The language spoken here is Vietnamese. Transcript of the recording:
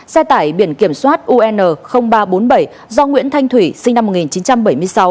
xe tải biển kiểm soát un ba trăm bốn mươi bảy do nguyễn thanh thủy sinh năm một nghìn chín trăm bảy mươi sáu